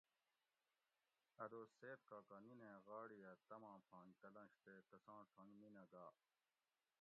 اۤ دوس سید کاکا نِنیں غاڑی اۤ تَماں پھانگ تلوںش تے تساں ٹھونگ نِینہ گا